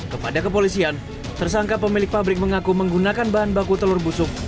kepada kepolisian tersangka pemilik pabrik mengaku menggunakan bahan baku telur busuk